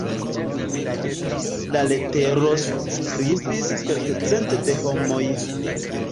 La letero subskribis kelkcent de homoj.